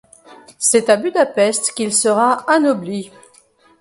C'est à Budapest qu'il sera anobli.